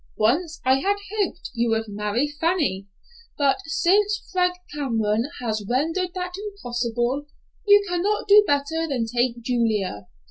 Once I had hoped you would marry Fanny, but since Frank Cameron has rendered that impossible, you cannot do better than take Julia.